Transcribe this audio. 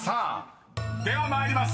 ［では参ります。